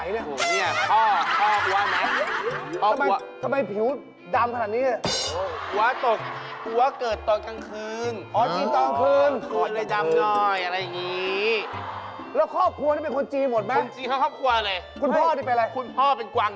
รู้กรุงคันให้ว่าคนจริงเหมือนกัน